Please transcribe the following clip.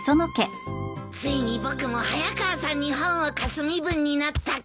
ついに僕も早川さんに本を貸す身分になったか。